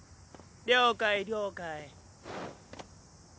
了解了解。